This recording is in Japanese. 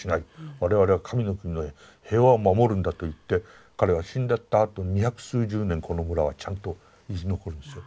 我々は神の国の平和を守るんだといって彼が死んじゃったあと二百数十年この村はちゃんと生き残るんですよ。